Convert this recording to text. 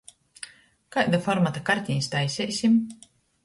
Kaida formata kartenis taiseisim?